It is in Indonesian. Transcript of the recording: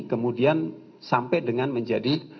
kemudian sampai dengan menjadi